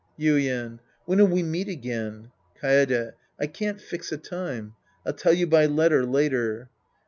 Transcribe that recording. Yuien. When'll we meet again ? Kaede. I can't fix a time. I'll tell you by letter later.